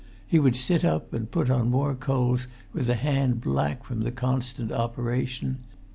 He would sit up and put on more coals with a hand black from the constant operation.